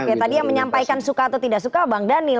oke tadi yang menyampaikan suka atau tidak suka bang daniel